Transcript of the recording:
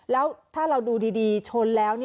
แล้วถ้าเราดูดีชนแล้ว